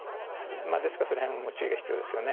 ですからその辺も注意が必要ですよね。